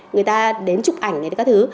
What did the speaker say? người ta đến chụp ảnh này các thứ